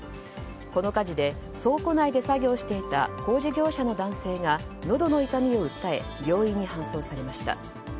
この火事で倉庫内で作業をしていた工事業者の男性がのどの痛みを訴え病院に搬送されました。